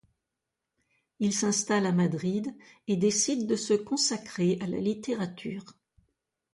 Il s'installe à Madrid et décide de se consacrer à la littérature.